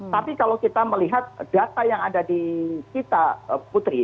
tapi kalau kita melihat data yang ada di kita putri